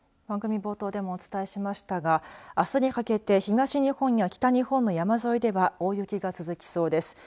番組冒頭でもお伝えしましたがあすにかけて東日本や北日本の山沿いでは大雪が続きそうです。